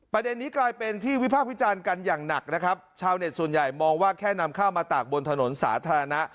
ประเด็นนี้กลายเป็นที่วิพากษ์วิจารณ์กันอย่างหนักนะครับชาวเน็ตส่วนใหญ่มองว่าแค่นำข้าวมาตากบนถนนสาธารณะ